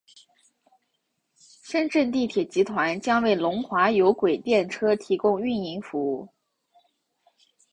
深圳地铁集团将为龙华有轨电车提供运营服务。